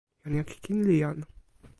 jan jaki kin li jan.